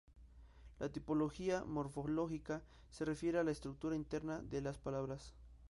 La tipología morfológica se refiere a la estructura interna de las palabras.